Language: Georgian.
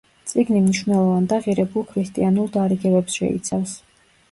წიგნი მნიშვნელოვან და ღირებულ ქრისტიანულ დარიგებებს შეიცავს.